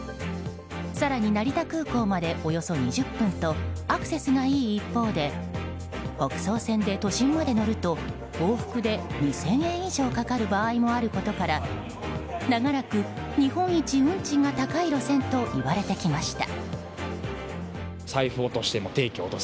更に成田空港までおよそ２０分とアクセスがいい一方で北総線で都心まで乗ると往復で２０００円以上かかる場合もあることから長らく、日本一運賃が高い路線と言われてきました。